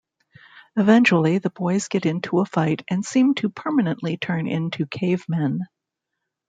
Eventually, the boys get into a fight and seem to permanently turn into cavemen.